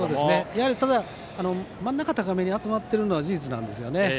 やはり、ただ真ん中高めに集まっているのは事実なんでよね。